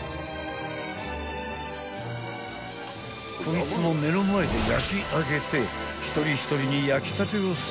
［こいつも目の前で焼き上げて一人一人に焼きたてをサーブ］